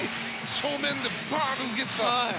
正面でバンッと受けてね。